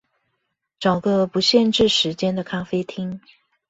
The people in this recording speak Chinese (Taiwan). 找個不限制時間的咖啡廳